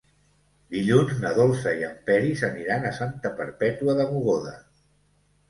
Dilluns na Dolça i en Peris aniran a Santa Perpètua de Mogoda.